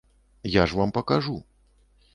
Я ж вам пакажу.